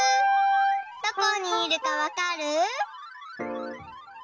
どこにいるかわかる？